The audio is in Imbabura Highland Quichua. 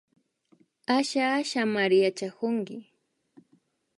Asha Ashamari yachakunki